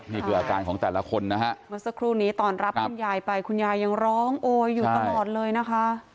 นี่คืออาการของแต่ละคนนะฮะเมื่อสักครู่นี้ตอนรับคุณยายไปคุณยายยังร้องโอยอยู่ตลอดเลยนะคะ